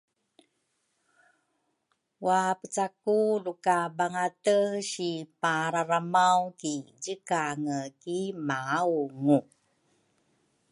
Waapeca ku luka bangate si pararamaw ki zikange ki maungu